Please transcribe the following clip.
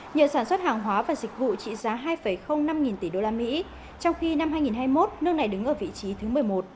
nhờ sản xuất hàng hóa và dịch vụ trị giá hai năm nghìn tỷ usd trong khi năm hai nghìn hai mươi một nước này đứng ở vị trí thứ một mươi một